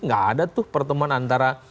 tidak ada pertemuan antara